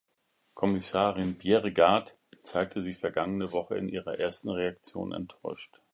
Kommissarin Bjerregaard zeigte sich vergangene Woche in ihrer ersten Reaktion enttäuscht.